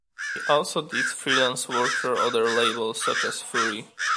He also did freelance work for other labels, such as Fury.